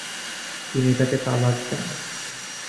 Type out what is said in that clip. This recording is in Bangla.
তিনি তাকে তালাক দেন।